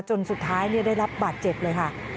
จนสุดท้ายได้รับบาดเจ็บเลยค่ะ